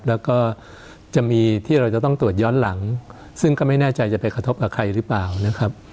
แล้วก็จะมีที่เราจะต้องตรวจย้อนหลังซึ่งก็ไม่แน่ใจจะไปกระทบกับใครหรือเปล่านะครับ